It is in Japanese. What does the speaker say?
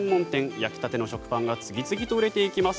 焼きたての食パンが次々と売れていきます。